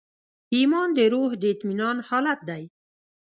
ایمان د روح د اطمینان حالت دی.